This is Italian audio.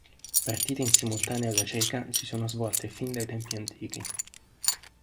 Partite in simultanea alla cieca si sono svolte fin dai tempi antichi.